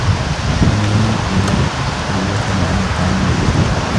عن المرء لا تسأل وسل عن قرينه